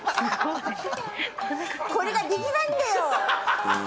これができないんだよ。